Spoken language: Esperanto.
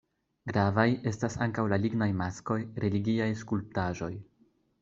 Gravaj estas ankaŭ la lignaj maskoj, religiaj skulptaĵoj.